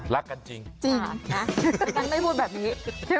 รักกันจริงจริงนะนักได้พูดแบบนี้